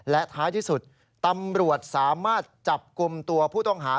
และท้ายที่สุดตำรวจสามารถจับกลุ่มตัวผู้ต้องหา